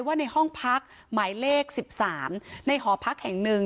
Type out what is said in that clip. ว่าในห้องพักหมายเลขสิบสามในหอภักดิ์แห่งหนึ่ง